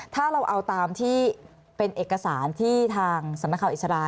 ถ้าเราเอาตามที่เป็นเอกสารที่ทางสำนักข่าวอิสระ